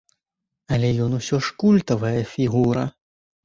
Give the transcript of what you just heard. Але ён усё ж культавая фігура.